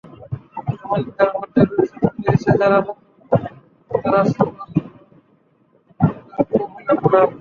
এমন ভিড়ের মধ্যে বিশেষত প্যারিসে যাঁরা নতুন, তাঁরা সুযোগসন্ধানীদের কবলে পড়েন।